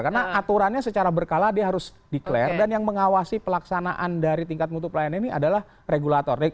karena aturannya secara berkala dia harus diklarir dan yang mengawasi pelaksanaan dari tingkat mutu pelayanan ini adalah regulator